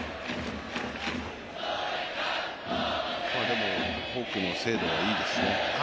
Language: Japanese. でもフォークの精度がいいですね。